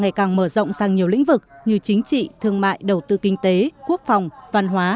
ngày càng mở rộng sang nhiều lĩnh vực như chính trị thương mại đầu tư kinh tế quốc phòng văn hóa